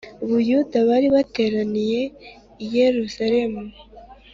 Buyuda bari bateraniye iyeruzaremu